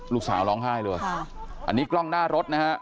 ร้องไห้เลยอันนี้กล้องหน้ารถนะฮะ